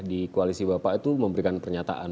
di koalisi bapak itu memberikan pernyataan